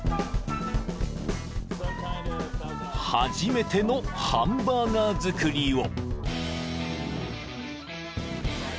［初めてのハンバーガー作りを］